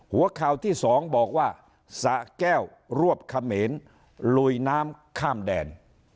หัวข่าวที่๒บอกว่าสะแก้วรวบเขมรลุยน้ำข้ามแดน